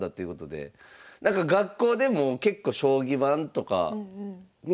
学校でも結構将棋盤とかね？